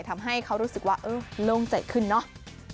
ทำให้เขารู้สึกว่าเออโล่งใจขึ้นเนาะ